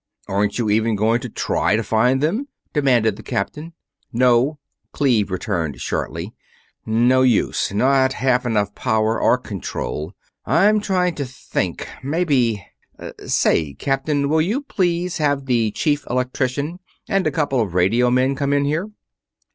"Aren't you even going to try to find them?" demanded the captain. "No," Cleve returned shortly. "No use not half enough power or control. I'm trying to think ... maybe ... say, Captain, will you please have the Chief Electrician and a couple of radio men come in here?"